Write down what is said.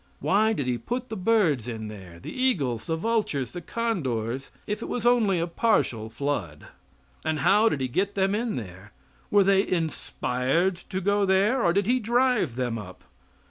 Why did he put the birds in there the eagles, the vultures, the condors if it was only a partial flood? And how did he get them in there? Were they inspired to go there, or did he drive them up?